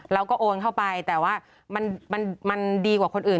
โอนเข้าไปแต่ว่ามันดีกว่าคนอื่น